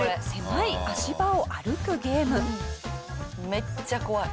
めっちゃ怖い。